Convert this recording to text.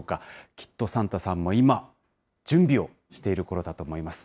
きっとサンタさんも今、準備をしているころだと思います。